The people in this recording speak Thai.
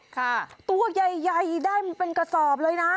ค่ะตัวใหญ่ได้เป็นกระสอบเลยนะ